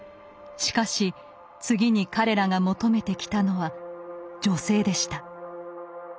しかし次に彼らが求めてきたのは女性でした。